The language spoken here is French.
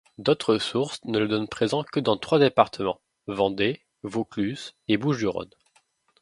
D'autres sources ne le donnent présent que dans trois départements, Vendée, Vaucluse et Bouches-du-Rhône.